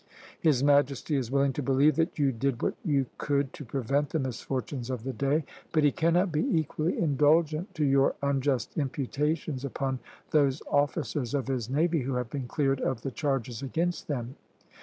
His Majesty is willing to believe that you did what you could to prevent the misfortunes of the day; but he cannot be equally indulgent to your unjust imputations upon those officers of his navy who have been cleared of the charges against them.